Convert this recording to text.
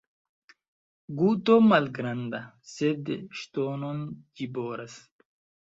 Guto malgranda, sed ŝtonon ĝi boras.